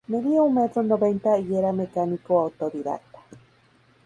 Medía un metro noventa y era mecánico autodidacta.